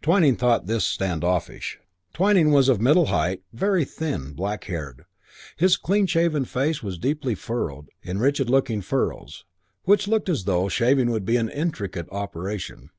Twyning thought this stand offish. II Twyning was of middle height, very thin, black haired. His clean shaven face was deeply furrowed in rigid looking furrows which looked as though shaving would be an intricate operation.